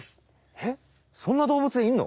えっそんな動物いんの？